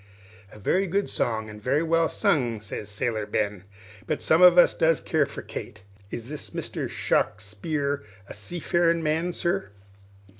"A very good song, and very well sung," says Sailor Ben; "but some of us does care for Kate. Is this Mr. Shawkspear a seafarin' man, sir?"